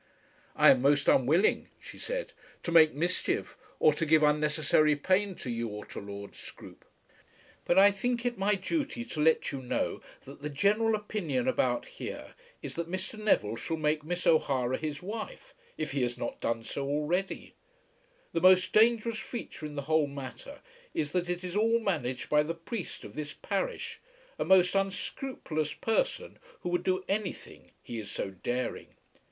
"I am most unwilling," she said, "to make mischief or to give unnecessary pain to you or to Lord Scroope; but I think it my duty to let you know that the general opinion about here is that Mr. Neville shall make Miss O'Hara his wife, if he has not done so already. The most dangerous feature in the whole matter is that it is all managed by the priest of this parish, a most unscrupulous person, who would do anything, he is so daring.